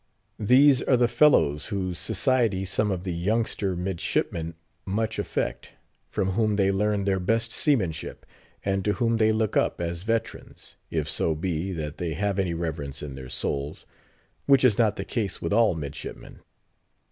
These are the fellows whose society some of the youngster midshipmen much affect; from whom they learn their best seamanship; and to whom they look up as veterans; if so be, that they have any reverence in their souls, which is not the case with all midshipmen.